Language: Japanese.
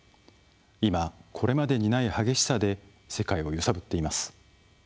今、これまでにない激しさで世界を揺さぶっています。